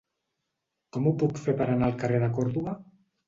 Com ho puc fer per anar al carrer de Còrdova?